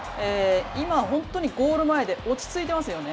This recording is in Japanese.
今、本当にゴール前で、落ち着いていますよね。